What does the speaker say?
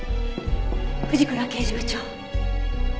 藤倉刑事部長。